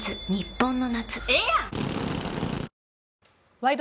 「ワイド！